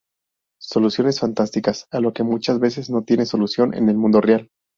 Soluciones fantásticas a lo que muchas veces no tiene solución en el mundo real.